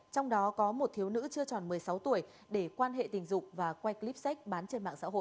trong đó có một thiếu nữ chưa tròn một mươi sáu tuổi để quan hệ tình dụng và quay clip sách